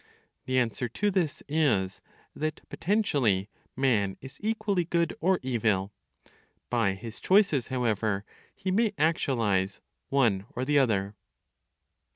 The answer to this is, that potentially man is equally good or evil. (By his choices) however he may actualize one or the other.